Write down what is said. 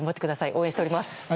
応援しております。